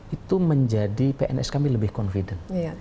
itu menjadi pns kami lebih confident